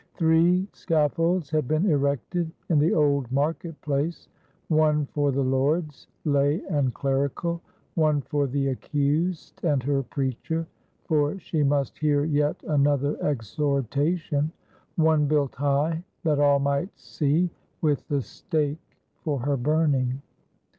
Three scaffolds had been erected in the old Market Place: one for the lords, lay and clerical; one for the ac cused and her preacher — for she must hear yet another exhortation; one built high that all might see, with the stake for her burning.